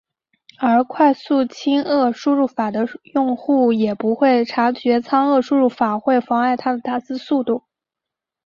而快速仓颉输入法的用户也不会察觉仓颉输入法会妨碍他的打字速度。